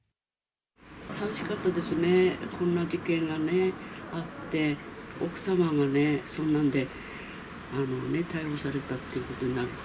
さみしかったですね、こんな事件があって、奥様がね、そんなんで逮捕されたっていうことになると。